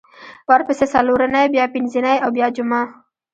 ورپسې څلورنۍ بیا پینځنۍ او بیا جمعه